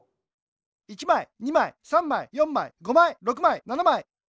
１まい２まい３まい４まい５まい６まい７まい。